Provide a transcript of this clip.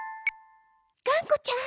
「がんこちゃん？」。